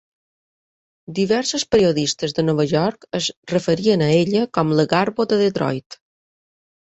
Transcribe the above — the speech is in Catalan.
Diversos periodistes de Nova York es referien a ella com la "Garbo de Detroit".